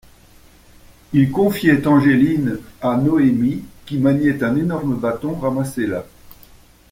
Il confiait Angeline à Noémie qui maniait un énorme bâton ramassé là.